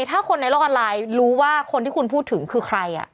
ถ้าคนในโลกออนไลน์รู้ว่าคนที่คุณพูดถึงคือใคร